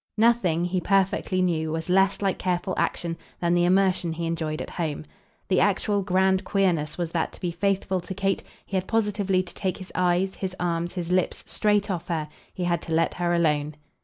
Nothing, he perfectly knew, was less like careful action than the immersion he enjoyed at home. The actual grand queerness was that to be faithful to Kate he had positively to take his eyes, his arms, his lips straight off her he had to let her alone.